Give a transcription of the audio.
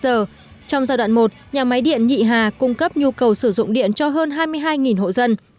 trong giai đoạn một nhà máy điện nhị hà cung cấp nhu cầu sử dụng điện cho hơn hai mươi hai hộ dân